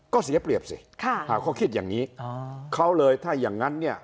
ก็เสียเปรียบสิเขาคิดอย่างนี้เขาเลยถ้าอย่างงั้นเนี่ย